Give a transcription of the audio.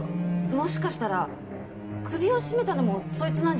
もしかしたら首を絞めたのもそいつなんじゃないでしょうか？